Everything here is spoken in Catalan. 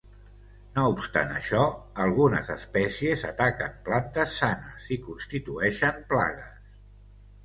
No obstant això, algunes espècies ataquen plantes sanes i constitueixen plagues.